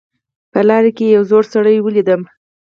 په لاره کې یو زوړ سړی ولیدم